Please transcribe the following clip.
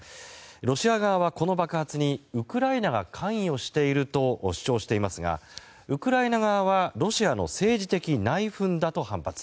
ロシア側は、この爆発にウクライナが関与していると主張していますがウクライナ側はロシアの政治的内紛だと反発。